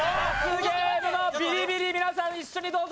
ビリビリ皆さん、一緒にどうぞ。